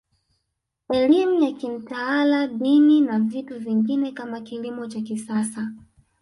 Elimu ya kimtaala Dini na vitu vingine kama kilimo cha kisasa